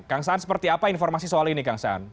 kang saan seperti apa informasi soal ini kang saan